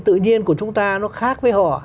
tự nhiên của chúng ta nó khác với họ